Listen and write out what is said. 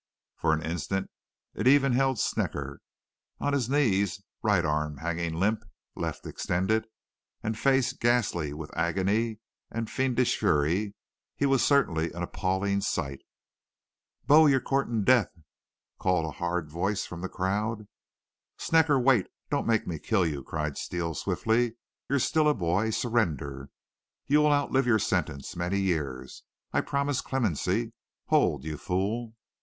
For an instant it even held Snecker. On his knees, right arm hanging limp, left extended, and face ghastly with agony and fiendish fury, he was certainly an appalling sight. "'Bo, you're courtin' death,' called a hard voice from the crowd. "'Snecker, wait. Don't make me kill you!' cried Steele swiftly. 'You're still a boy. Surrender! You'll outlive your sentence many years. I promise clemency. Hold, you fool!'